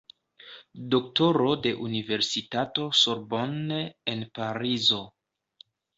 Doktoro de Universitato Sorbonne en Parizo.